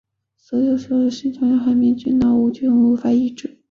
所有得传染性海绵状脑病目前均无法医治。